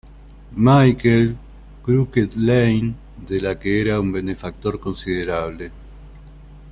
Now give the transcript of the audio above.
Michael, Crooked Lane, de la que era un benefactor considerable.